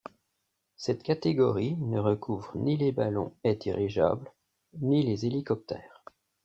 Cette catégorie ne recouvre ni les ballons et dirigeables, ni les hélicoptères.